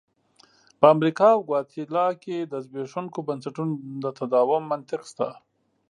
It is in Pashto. په امریکا او ګواتیلا کې د زبېښونکو بنسټونو د تداوم منطق شته.